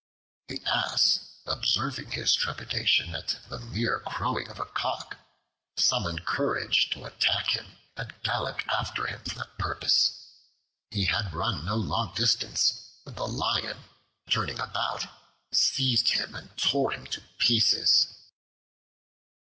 The Ass, observing his trepidation at the mere crowing of a Cock summoned courage to attack him, and galloped after him for that purpose. He had run no long distance, when the Lion, turning about, seized him and tore him to pieces.